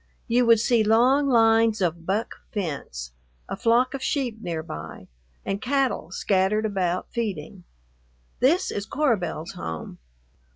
You would see long lines of "buck" fence, a flock of sheep near by, and cattle scattered about feeding. This is Cora Belle's home.